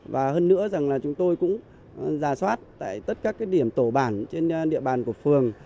và hơn nữa rằng là chúng tôi cũng ra soát tại tất các điểm tổ bản trên địa bàn của phường